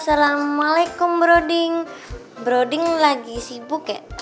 assalamualaikum broding broding lagi sibuk ya